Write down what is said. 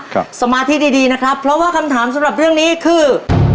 สมาธิดีดีนะครับเพราะว่าคำถามสำหรับเรื่องนี้คือ